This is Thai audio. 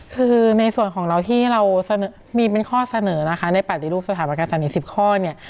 คือในส่วนของเราที่เราเสนอมีเป็นข้อเสนอนะคะในปฏิรูปสถาบันการศัลย๑๐ข้อเนี่ย